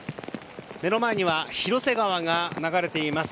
目の前には広瀬川が流れています。